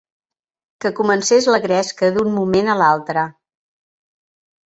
Que comencés la gresca, d'un moment a l'altre